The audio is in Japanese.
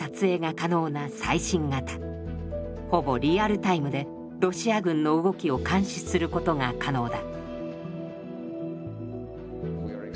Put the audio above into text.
ほぼリアルタイムでロシア軍の動きを監視することが可能だ。